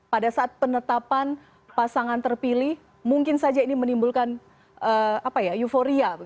pada saat penetapan pasangan terpilih mungkin saja ini menimbulkan euforia